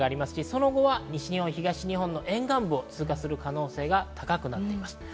その後は西日本、東日本の沿岸部を通過する可能性が高くなっています。